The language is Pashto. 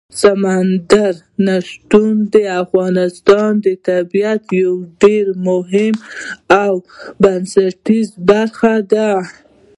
سمندر نه شتون د افغانستان د طبیعت یوه ډېره مهمه او بنسټیزه برخه ده.